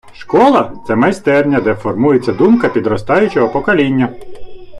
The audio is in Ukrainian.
Школа — це майстерня, де формується думка підростаючого покоління.